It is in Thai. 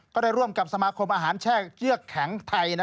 ก็ได้ร่วมกับสมาคมอาหารแช่เยือกแข็งไทย